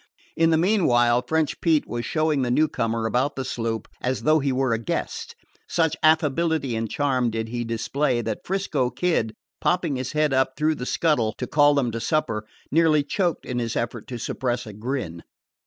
In the meanwhile French Pete was showing the newcomer about the sloop as though he were a guest. Such affability and charm did he display that 'Frisco Kid, popping his head up through the scuttle to call them to supper, nearly choked in his effort to suppress a grin.